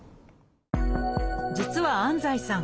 実は安西さん